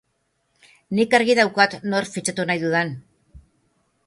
Nik argi daukat nor fitxatu nahi dudan.